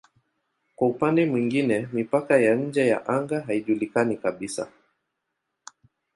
Kwa upande mwingine mipaka ya nje ya anga haijulikani kabisa.